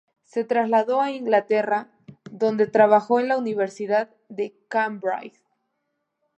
Se trasladó a Inglaterra, donde trabajó en la Universidad de Cambridge.